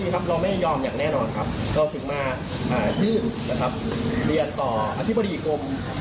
เราถึงมายื่นเรียนต่ออธิบดีกรม